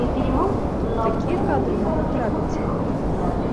Тут такія кадры могуць трапіцца!